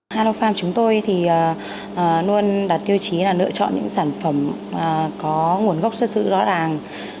hano farm chúng tôi thì luôn đặt tiêu chí là lựa chọn những sản phẩm có nguồn gốc xuất sự rõ ràng